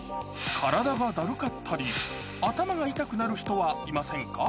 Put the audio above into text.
体がだるかったり、頭が痛くなる人はいませんか？